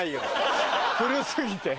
古過ぎて。